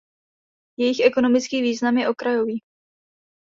Jejich ekonomický význam je okrajový.